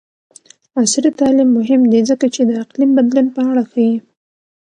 عصري تعلیم مهم دی ځکه چې د اقلیم بدلون په اړه ښيي.